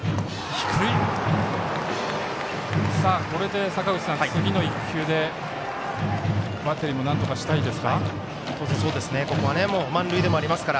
これで、次の１球でバッテリーもなんとかしたいですか？